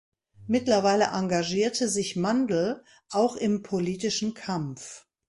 Mittlerweile engagierte sich Mandl auch im politischen Kampf.